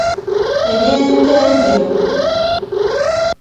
Ery'ente enjeru.